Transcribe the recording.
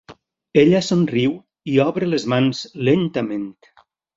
Ella somriu i obre les mans lentament.